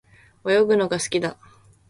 泳ぐのが好きだ。